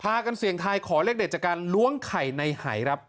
กันเสี่ยงทายขอเลขเด็ดจากการล้วงไข่ในหายครับ